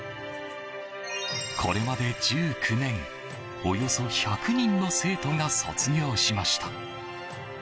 これまで１９年およそ１００人の生徒が卒業しました。